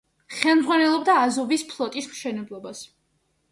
ხელმძღვანელობდა აზოვის ფლოტის მშენებლობას.